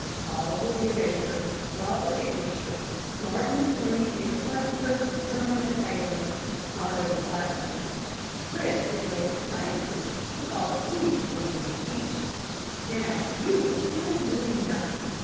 Paul will be a baker, Robert a butcher, Martin is learning to be a carpenter, Herman a tailor, Otto a blacksmith, Fritz is going to high school, because he is going to be a teacher. Now, you are still doing nothing.